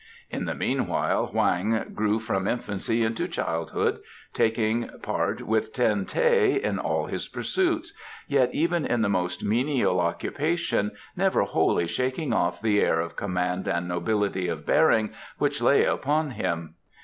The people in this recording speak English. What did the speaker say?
In the meanwhile Hoang grew from infancy into childhood, taking part with Ten teh in all his pursuits, yet even in the most menial occupation never wholly shaking off the air of command and nobility of bearing which lay upon him.